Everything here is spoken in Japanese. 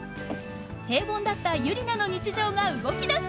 平凡だったユリナの日常が動きだす！